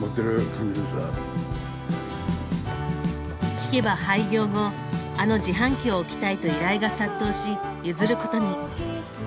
聞けば廃業後「あの自販機を置きたい」と依頼が殺到し譲ることに。